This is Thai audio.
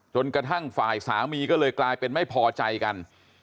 จนกระทั่งฝ่ายสามีก็เลยกลายเป็นไม่พอใจกัน